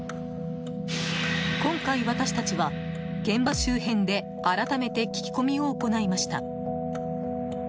今回、私たちは現場周辺で改めて聞き込みを行いました。